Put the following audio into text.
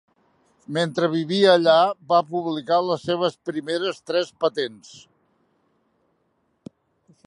Mentre vivia allà, va publicar les seves primeres tres patents.